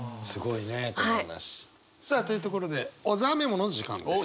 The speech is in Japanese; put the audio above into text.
さあというところで小沢メモの時間です。